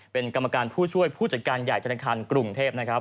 เป็นกรรมการผู้ช่วยผู้จัดการใหญ่ธนาคารกรุงเทพนะครับ